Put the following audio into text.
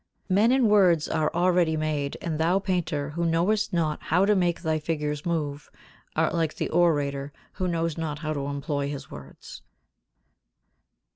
78. Men and words are already made, and thou, painter, who knowest not how to make thy figures move, art like the orator who knows not how to employ his words.